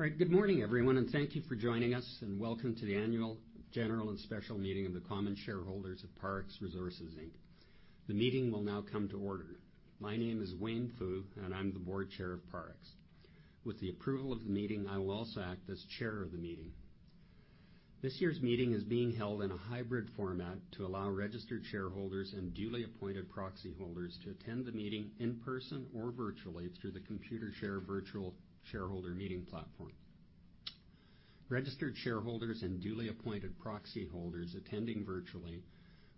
All right. Good morning, everyone, and thank you for joining us, and welcome to the Annual General and Special Meeting of the common shareholders of Parex Resources Inc. The meeting will now come to order. My name is Wayne Fu, and I'm the Board Chair of Parex. With the approval of the meeting, I will also act as Chair of the meeting. This year's meeting is being held in a hybrid format to allow registered shareholders and duly appointed proxy holders to attend the meeting in person or virtually through the Computershare virtual shareholder meeting platform. Registered shareholders and duly appointed proxy holders attending virtually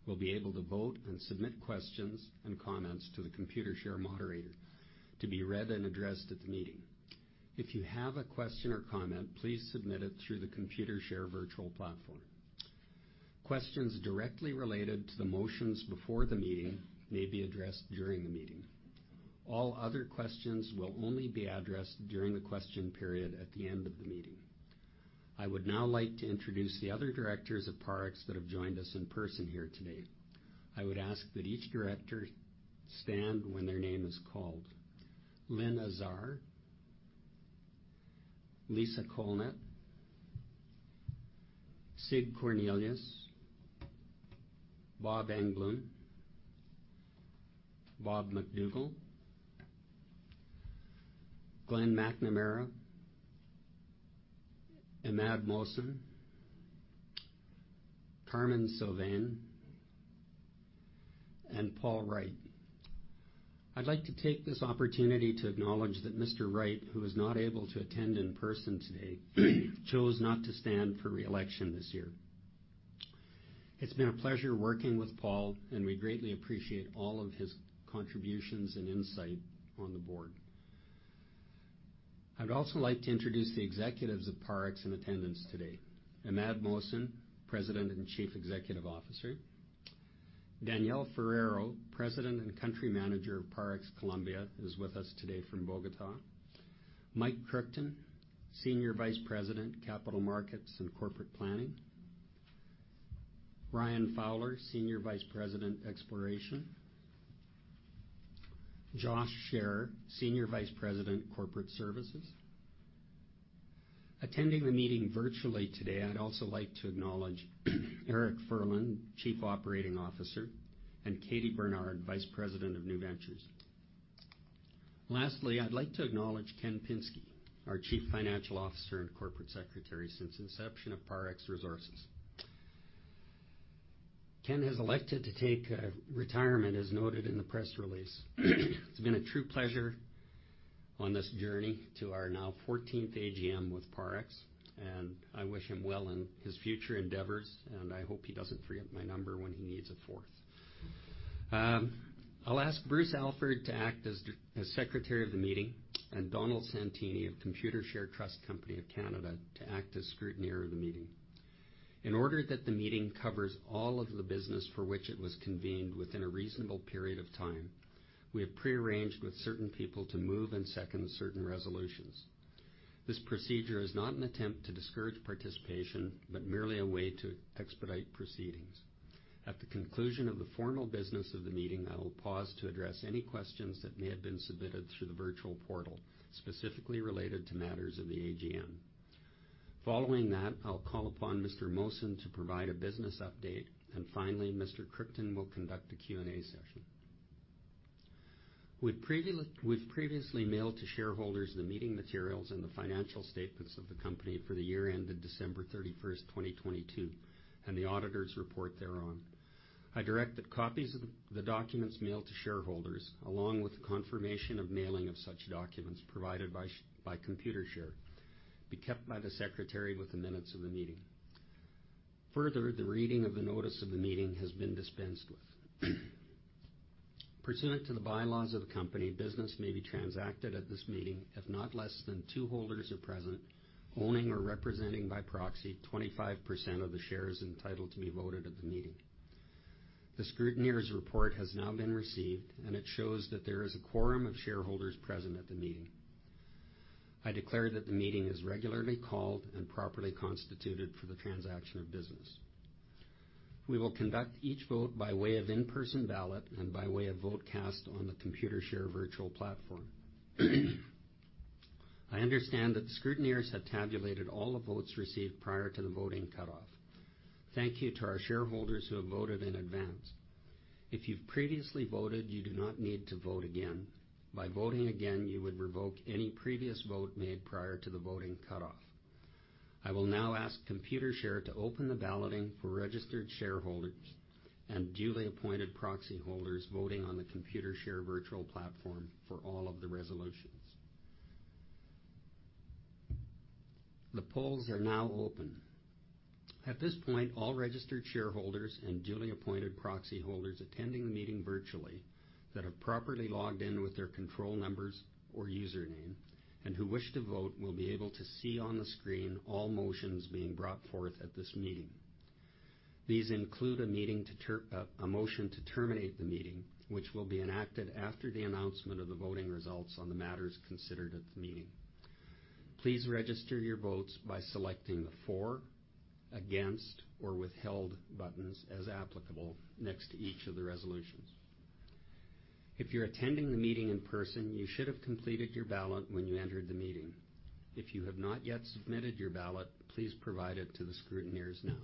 will be able to vote and submit questions and comments to the Computershare moderator to be read and addressed at the meeting. If you have a question or comment, please submit it through the Computershare virtual platform. Questions directly related to the motions before the meeting may be addressed during the meeting. All other questions will only be addressed during the question period at the end of the meeting. I would now like to introduce the other directors of Parex Resources Inc. that have joined us in person here today. I would ask that each director stand when their name is called. Lynn Azar. Lisa Colnett. Sig Cornelius. Robert J. Engbloom. G.R. (Bob) MacDougall. Glenn McNamara. Imad Mohsen. Carmen Sylvain and Paul Wright. I'd like to take this opportunity to acknowledge that Mr. Wright, who was not able to attend in person today, chose not to stand for reelection this year. It's been a pleasure working with Paul, and we greatly appreciate all of his contributions and insight on the board. I'd also like to introduce the executives of Parex Resources Inc. in attendance today. Imad Mohsen, President and Chief Executive Officer. Daniel Ferreiro, President and Country Manager of Parex Colombia, is with us today from Bogotá. Mike Kruchten, Senior Vice President, Capital Markets and Corporate Planning. Ryan Fowler, Senior Vice President, Exploration. Josh Share, Senior Vice President, Corporate Services. Attending the meeting virtually today, I'd also like to acknowledge Eric Furlan, Chief Operating Officer, and Katie Bernard, Vice President of New Ventures. Lastly, I'd like to acknowledge Ken Pinsky, our Chief Financial Officer and Corporate Secretary since inception of Parex Resources. Ken has elected to take retirement as noted in the press release. It's been a true pleasure on this journey to our now 14th AGM with Parex. I wish him well in his future endeavors. I hope he doesn't forget my number when he needs a fourth. I'll ask Bruce Alford to act as Secretary of the meeting and Donald Santini of Computershare Trust Company of Canada to act as Scrutineer of the meeting. In order that the meeting covers all of the business for which it was convened within a reasonable period of time, we have prearranged with certain people to move and second certain resolutions. This procedure is not an attempt to discourage participation, but merely a way to expedite proceedings. At the conclusion of the formal business of the meeting, I will pause to address any questions that may have been submitted through the virtual portal, specifically related to matters of the AGM. Following that, I'll call upon Mr. Mohsen to provide a business update. And finally, Mr. Kruchten will conduct a Q&A session. We've previously mailed to shareholders the meeting materials and the financial statements of the company for the year ended December 31st, 2022, and the auditors report thereon. I direct that copies of the documents mailed to shareholders, along with the confirmation of mailing of such documents provided by Computershare, be kept by the Secretary with the minutes of the meeting. Further, the reading of the notice of the meeting has been dispensed with. Pursuant to the bylaws of the company, business may be transacted at this meeting, if not less than two holders are present, owning or representing by proxy 25% of the shares entitled to be voted at the meeting. The scrutineer's report has now been received, and it shows that there is a quorum of shareholders present at the meeting. I declare that the meeting is regularly called and properly constituted for the transaction of business. We will conduct each vote by way of in-person ballot and by way of vote cast on the Computershare virtual platform. I understand that the scrutineers have tabulated all the votes received prior to the voting cutoff. Thank you to our shareholders who have voted in advance. If you've previously voted, you do not need to vote again. By voting again, you would revoke any previous vote made prior to the voting cutoff. I will now ask Computershare to open the balloting for registered shareholders and duly appointed proxy holders voting on the Computershare virtual platform for all of the resolutions. The polls are now open. At this point, all registered shareholders and duly appointed proxy holders attending the meeting virtually that have properly logged in with their control numbers or username and who wish to vote will be able to see on the screen all motions being brought forth at this meeting. These include a motion to terminate the meeting, which will be enacted after the announcement of the voting results on the matters considered at the meeting. Please register your votes by selecting the for, against, or withheld buttons as applicable next to each of the resolutions. If you're attending the meeting in person, you should have completed your ballot when you entered the meeting. If you have not yet submitted your ballot, please provide it to the scrutineers now.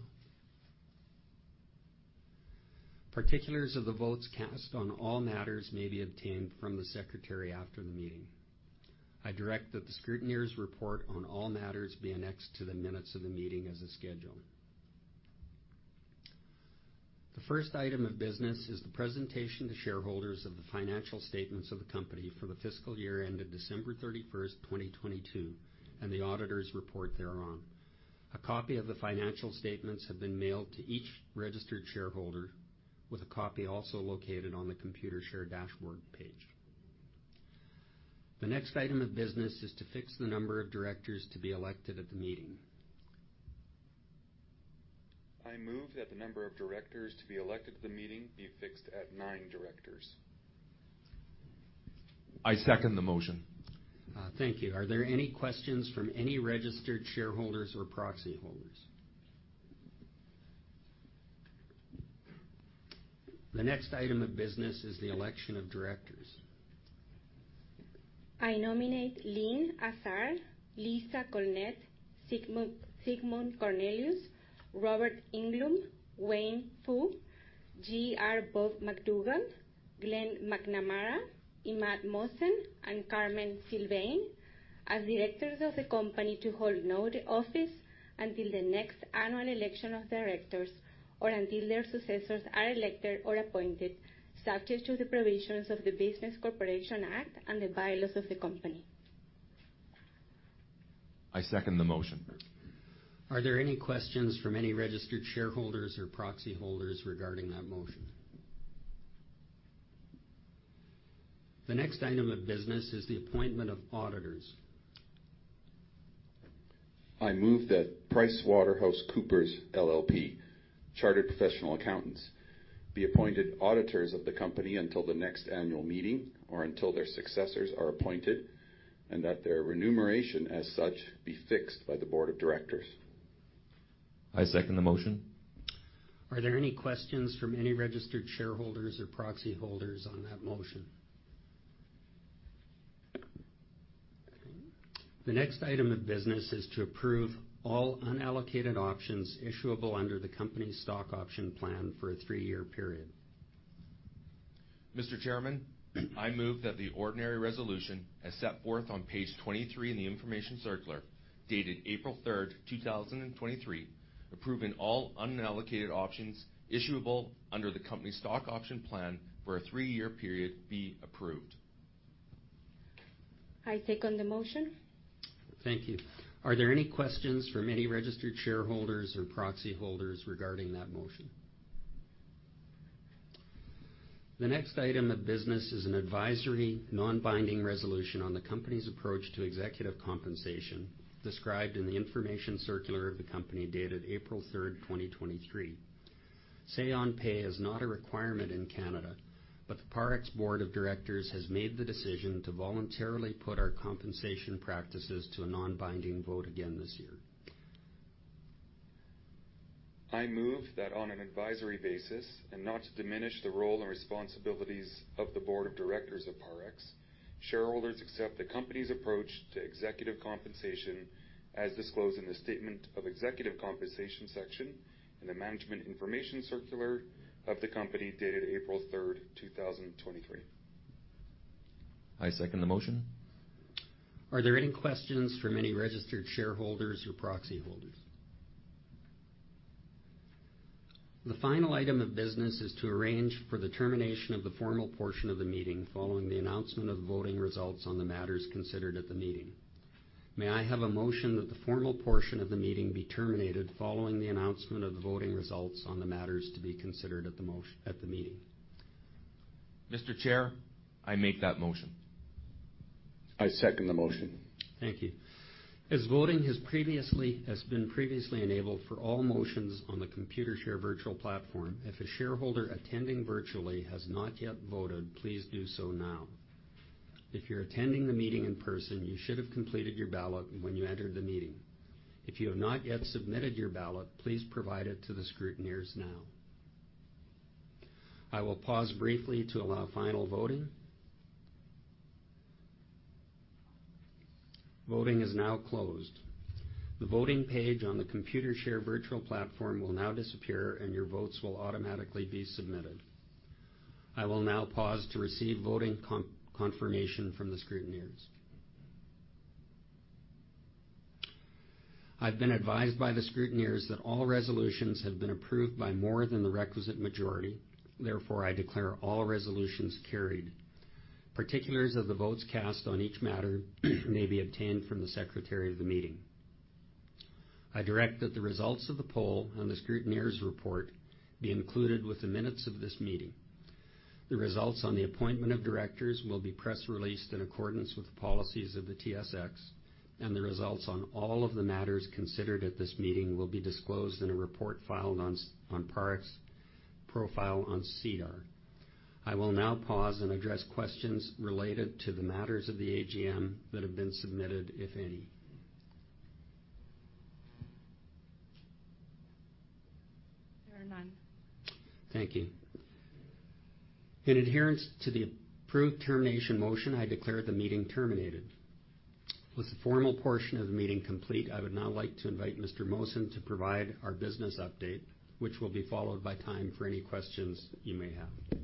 Particulars of the votes cast on all matters may be obtained from the secretary after the meeting. I direct that the scrutineers report on all matters be annexed to the minutes of the meeting as a schedule. The first item of business is the presentation to shareholders of the financial statements of the company for the fiscal year ended December 31st, 2022, and the auditor's report thereon. A copy of the financial statements have been mailed to each registered shareholder, with a copy also located on the Computershare dashboard page. The next item of business is to fix the number of directors to be elected at the meeting. I move that the number of directors to be elected at the meeting be fixed at nine directors. I second the motion. Thank you. Are there any questions from any registered shareholders or proxy holders? The next item of business is the election of directors. I nominate Lynn Azar, Lisa Colnett, Sigmund Cornelius, Robert Engbloom, Wayne Fu, G.R. Bob MacDougall, Glenn McNamara, Imad Mohsen, and Carmen Sylvain as directors of the company to hold no office until the next annual election of directors or until their successors are elected or appointed, subject to the provisions of the Business Corporations Act and the bylaws of the company. I second the motion. Are there any questions from any registered shareholders or proxy holders regarding that motion? The next item of business is the appointment of auditors. I move that PricewaterhouseCoopers LLP, chartered professional accountants, be appointed auditors of the company until the next annual meeting or until their successors are appointed, and that their remuneration as such be fixed by the board of directors. I second the motion. Are there any questions from any registered shareholders or proxy holders on that motion? The next item of business is to approve all unallocated options issuable under the company's stock option plan for a 3-year period. Mr. Chairman, I move that the ordinary resolution, as set forth on page 23 in the information circular dated April 3rd, 2023, approving all unallocated options issuable under the company's stock option plan for a 3-year period be approved. I second the motion. Thank you. Are there any questions from any registered shareholders or proxy holders regarding that motion? The next item of business is an advisory, non-binding resolution on the company's approach to executive compensation described in the information circular of the company dated April third, 2023. Say on pay is not a requirement in Canada, but the Parex board of directors has made the decision to voluntarily put our compensation practices to a non-binding vote again this year. I move that on an advisory basis and not to diminish the role and responsibilities of the board of directors of Parex, shareholders accept the company's approach to executive compensation as disclosed in the statement of executive compensation section in the management information circular of the company dated April third, 2023. I second the motion. Are there any questions from any registered shareholders or proxy holders? The final item of business is to arrange for the termination of the formal portion of the meeting following the announcement of voting results on the matters considered at the meeting. May I have a motion that the formal portion of the meeting be terminated following the announcement of the voting results on the matters to be considered at the meeting. Mr. Chair, I make that motion. I second the motion. Thank you. As voting has been previously enabled for all motions on the Computershare virtual platform, if a shareholder attending virtually has not yet voted, please do so now. If you're attending the meeting in person, you should have completed your ballot when you entered the meeting. If you have not yet submitted your ballot, please provide it to the scrutineers now. I will pause briefly to allow final voting. Voting is now closed. The voting page on the Computershare virtual platform will now disappear, and your votes will automatically be submitted. I will now pause to receive voting confirmation from the scrutineers. I've been advised by the scrutineers that all resolutions have been approved by more than the requisite majority. Therefore, I declare all resolutions carried. Particulars of the votes cast on each matter may be obtained from the secretary of the meeting. I direct that the results of the poll and the scrutineers report be included with the minutes of this meeting. The results on the appointment of directors will be press released in accordance with the policies of the TSX, and the results on all of the matters considered at this meeting will be disclosed in a report filed on Parex profile on SEDAR. I will now pause and address questions related to the matters of the AGM that have been submitted, if any. There are none. Thank you. In adherence to the approved termination motion, I declare the meeting terminated. With the formal portion of the meeting complete, I would now like to invite Mr. Mohsen to provide our business update, which will be followed by time for any questions you may have.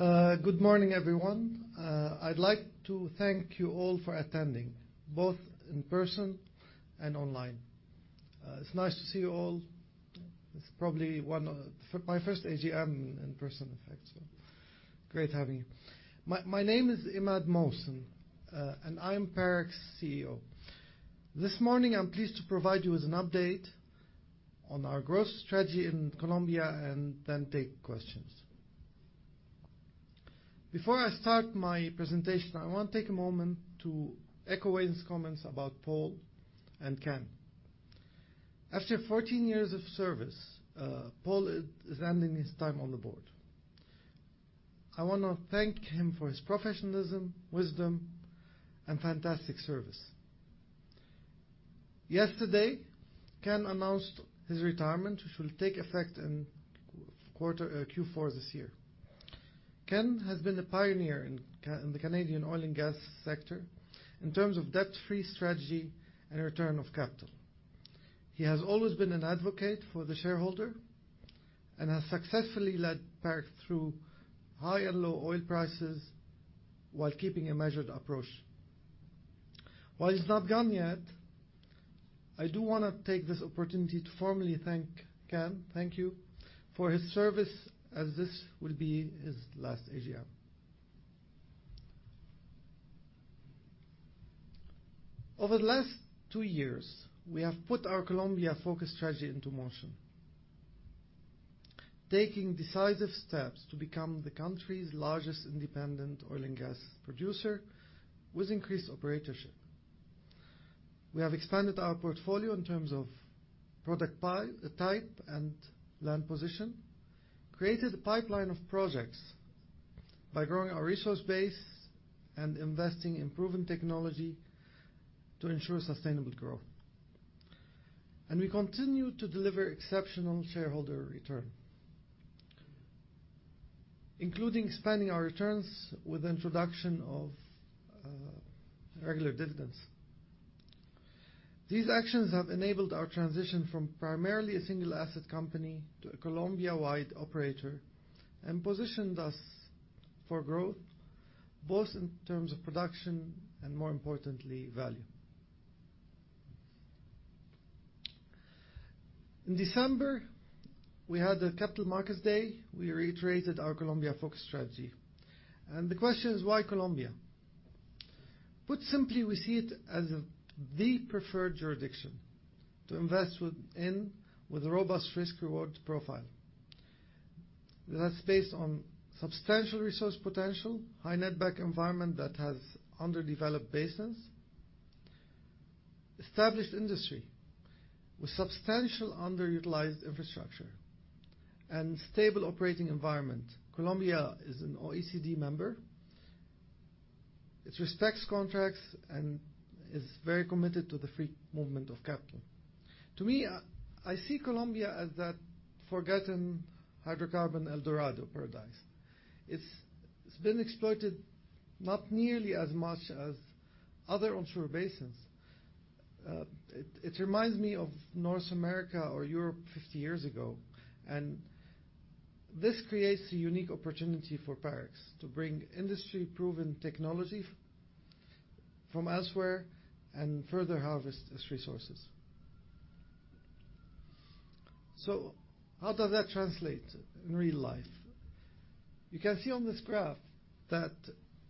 There you go. Thank you very much. Good morning, everyone. I'd like to thank you all for attending, both in person and online. It's nice to see you all. It's probably My first AGM in person, in fact, so great having you. My name is Imad Mohsen, and I am Parex' CEO. This morning, I'm pleased to provide you with an update on our growth strategy in Colombia and then take questions. Before I start my presentation, I wanna take a moment to echo Wayne's comments about Paul and Ken. After 14 years of service, Paul is ending his time on the board. I wanna thank him for his professionalism, wisdom, and fantastic service. Yesterday, Ken announced his retirement, which will take effect in Q4 this year. Ken has been the pioneer in the Canadian oil and gas sector in terms of debt-free strategy and return of capital. He has always been an advocate for the shareholder and has successfully led Parex through high and low oil prices while keeping a measured approach. While he's not gone yet, I do wanna take this opportunity to formally thank Ken. Thank you for his service, as this will be his last AGM. Over the last 2 years, we have put our Colombia-focused strategy into motion, taking decisive steps to become the country's largest independent oil and gas producer with increased operatorship. We have expanded our portfolio in terms of product type and land position, created a pipeline of projects by growing our resource base and investing in proven technology to ensure sustainable growth. We continue to deliver exceptional shareholder return, including expanding our returns with introduction of regular dividends. These actions have enabled our transition from primarily a single asset company to a Colombia-wide operator and positioned us for growth, both in terms of production and, more importantly, value. In December, we had a capital markets day. We reiterated our Colombia-focused strategy. The question is, why Colombia? Put simply, we see it as the preferred jurisdiction to invest in, with a robust risk-reward profile. That's based on substantial resource potential, high net back environment that has underdeveloped basins, established industry with substantial underutilized infrastructure, and stable operating environment. Colombia is an OECD member. It respects contracts and is very committed to the free movement of capital. To me, I see Colombia as that forgotten hydrocarbon El Dorado paradise. It's been exploited not nearly as much as other onshore basins. It reminds me of North America or Europe 50 years ago, and this creates a unique opportunity for PERC to bring industry-proven technology from elsewhere and further harvest its resources. How does that translate in real life? You can see on this graph that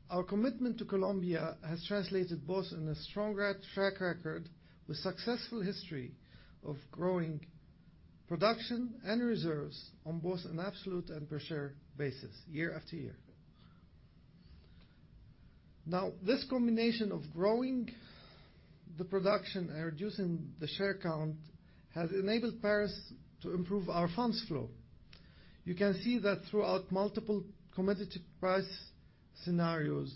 our commitment to Colombia has translated both in a strong track record with successful history of growing production and reserves on both an absolute and per share basis year after year. Now, this combination of growing the production and reducing the share count has enabled PERC to improve our funds flow. You can see that throughout multiple commodity price scenarios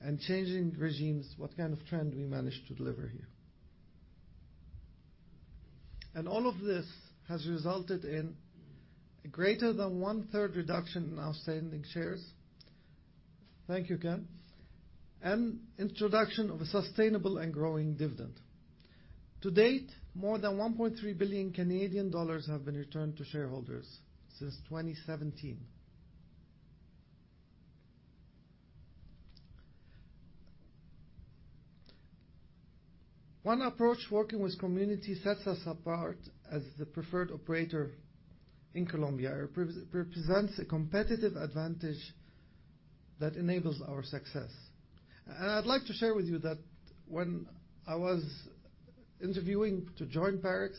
and changing regimes, what kind of trend we managed to deliver here. All of this has resulted in a greater than 1/3 reduction in outstanding shares. Thank you, Ken. Introduction of a sustainable and growing dividend. To date, more than 1.3 billion Canadian dollars have been returned to shareholders since 2017. One approach working with community sets us apart as the preferred operator in Colombia. It represents a competitive advantage that enables our success. I'd like to share with you that when I was interviewing to join Parex,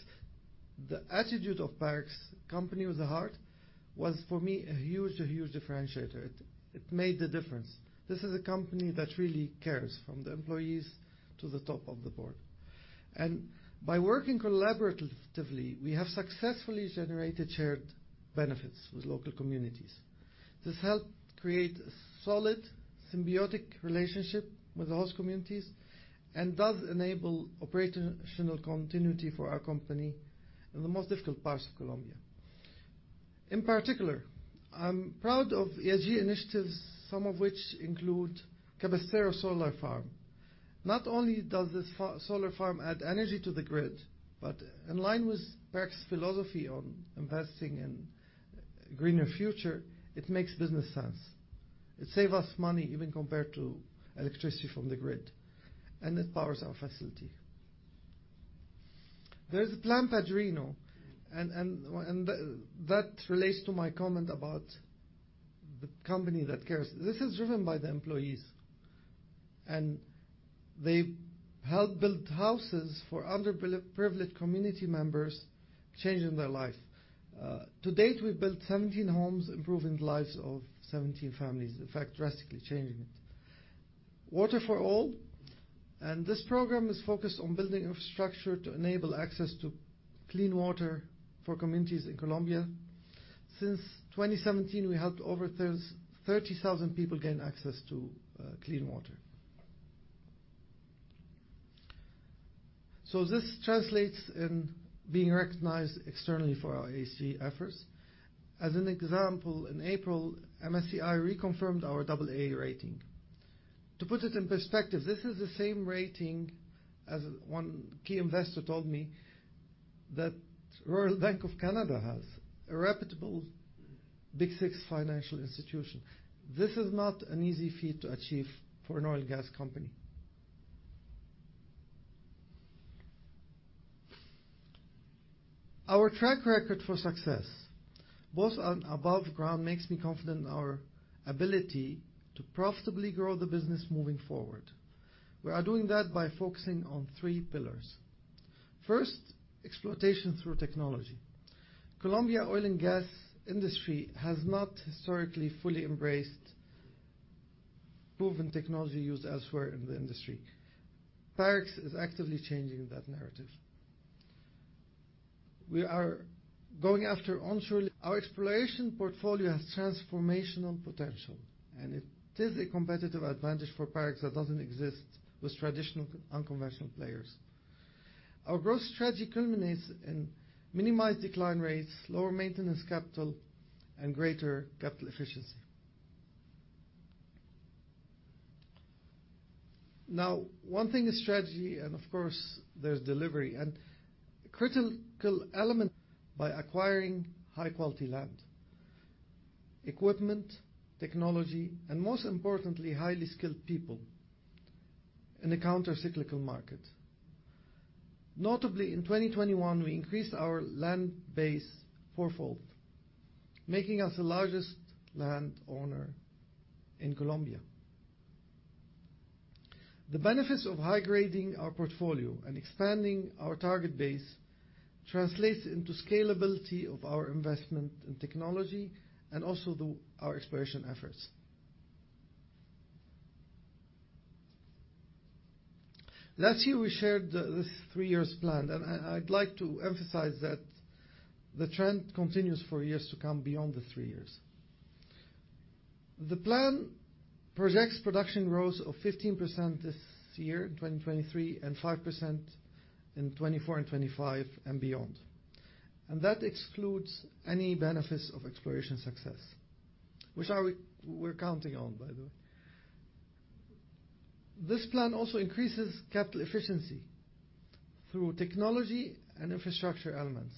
the attitude of Parex's company with a heart was, for me, a huge differentiator. It made the difference. This is a company that really cares, from the employees to the top of the board. By working collaboratively, we have successfully generated shared benefits with local communities. This helped create a solid symbiotic relationship with the host communities and does enable operational continuity for our company in the most difficult parts of Colombia. In particular, I'm proud of ESG initiatives, some of which include Cabecera Solar Farm. Not only does this solar farm add energy to the grid, but in line with Parex's philosophy on investing in a greener future, it makes business sense. It save us money even compared to electricity from the grid, and it powers our facility. There's Plan Padrino, and that relates to my comment about the company that cares. This is driven by the employees, and they help build houses for underprivileged community members, changing their life. To date, we've built 17 homes, improving the lives of 17 families. In fact, drastically changing it. Water for All, and this program is focused on building infrastructure to enable access to clean water for communities in Colombia. Since 2017, we helped over 30,000 people gain access to clean water. This translates in being recognized externally for our ESG efforts. As an example, in April, MSCI reconfirmed our AA rating. To put it in perspective, this is the same rating as one key investor told me that Royal Bank of Canada has, a reputable Big Six financial institution. This is not an easy feat to achieve for an oil and gas company. Our track record for success, both on above ground, makes me confident in our ability to profitably grow the business moving forward. We are doing that by focusing on three pillars. First, exploitation through technology. Colombia oil and gas industry has not historically fully embraced proven technology used elsewhere in the industry. Parex is actively changing that narrative. We are going after onshore. Our exploration portfolio has transformational potential, and it is a competitive advantage for Parex that doesn't exist with traditional unconventional players. Our growth strategy culminates in minimized decline rates, lower maintenance capital, and greater capital efficiency. One thing is strategy, and of course, there's delivery. By acquiring high-quality land, equipment, technology, and most importantly, highly skilled people in a counter-cyclical market. Notably, in 2021, we increased our land base fourfold, making us the largest landowner in Colombia. The benefits of high-grading our portfolio and expanding our target base translates into scalability of our investment in technology and also our exploration efforts. Last year, we shared this 3 years plan, and I'd like to emphasize that the trend continues for years to come beyond the 3 years. The plan projects production growth of 15% this year, in 2023, and 5% in 24 and 25 and beyond. That excludes any benefits of exploration success, which are, we're counting on, by the way. This plan also increases capital efficiency through technology and infrastructure elements.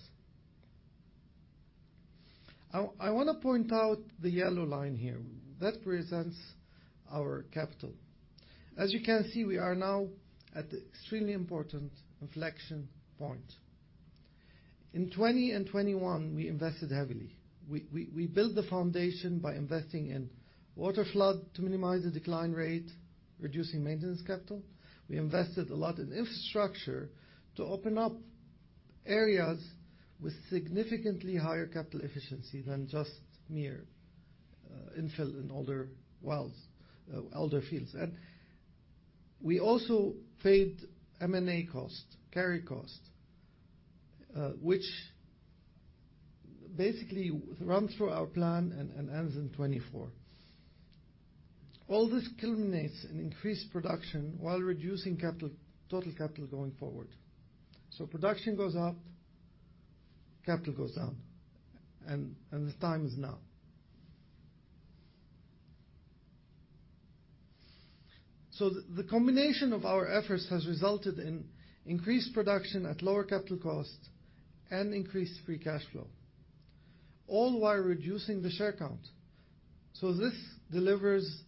I wanna point out the yellow line here. That represents our capital. As you can see, we are now at extremely important inflection point. In 20 and 2021, we invested heavily. We built the foundation by investing in waterflood to minimize the decline rate, reducing maintenance capital. We invested a lot in infrastructure to open up areas with significantly higher capital efficiency than just mere infill in older wells, older fields. We also paid M&A costs, carry costs, which basically runs through our plan and ends in 2024. All this culminates in increased production while reducing capital, total capital going forward. Production goes up, capital goes down, and the time is now. The combination of our efforts has resulted in increased production at lower capital costs and increased free cash flow, all while reducing the share count. This delivers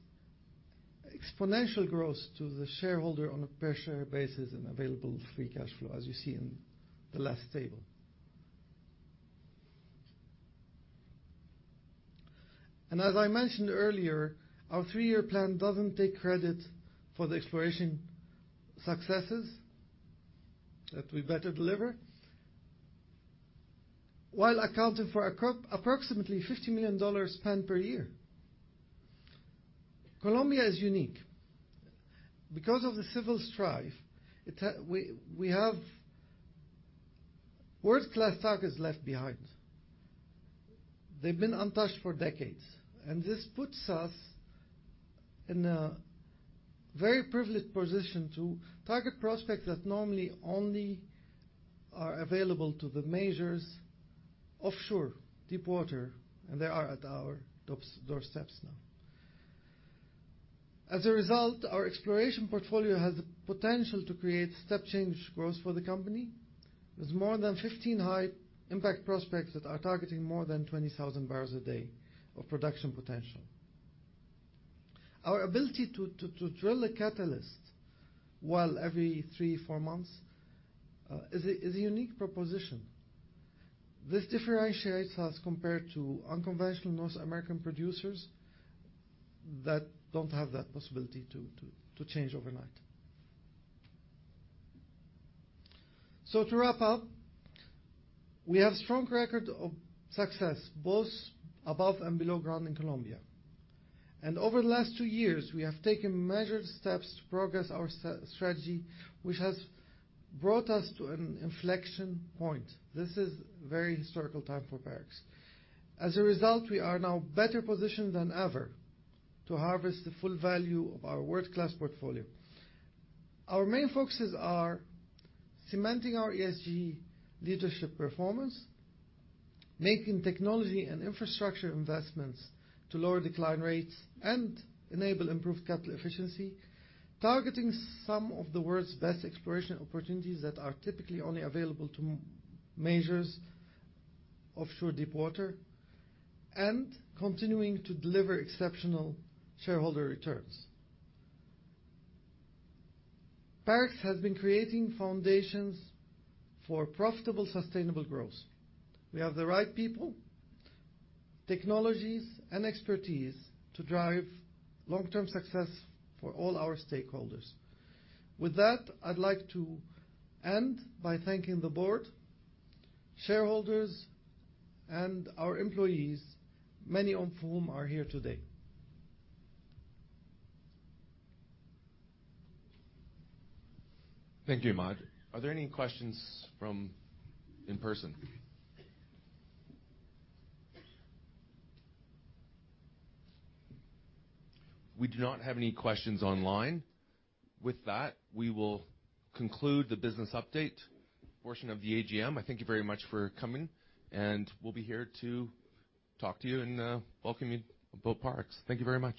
exponential growth to the shareholder on a per-share basis and available free cash flow, as you see in the last table. As I mentioned earlier, our 3-year plan doesn't take credit for the exploration successes that we better deliver. While accounting for approximately $50 million spent per year. Colombia is unique. Because of the civil strife, it we have world-class targets left behind. They've been untouched for decades, and this puts us in a very privileged position to target prospects that normally only are available to the majors offshore, deep water, and they are at our doorsteps now. As a result, our exploration portfolio has the potential to create step change growth for the company. With more than 15 high impact prospects that are targeting more than 20,000 barrels a day of production potential. Our ability to drill a catalyst, well, every 3, 4 months, is a unique proposition. This differentiates us compared to unconventional North American producers that don't have that possibility to change overnight. To wrap up, we have a strong record of success, both above and below ground in Colombia. Over the last 2 years, we have taken measured steps to progress our strategy, which has brought us to an inflection point. This is very historical time for Parex. As a result, we are now better positioned than ever to harvest the full value of our world-class portfolio. Our main focuses are cementing our ESG leadership performance, making technology and infrastructure investments to lower decline rates and enable improved capital efficiency, targeting some of the world's best exploration opportunities that are typically only available to majors offshore deep water, and continuing to deliver exceptional shareholder returns. Parex has been creating foundations for profitable, sustainable growth. We have the right people, technologies, and expertise to drive long-term success for all our stakeholders. With that, I'd like to end by thanking the board, shareholders, and our employees, many of whom are here today. Thank you, IMad. Are there any questions from in-person? We do not have any questions online. With that, we will conclude the business update portion of the AGM. Thank you very much for coming, and we'll be here to talk to you and, welcome you aboard Parex. Thank you very much.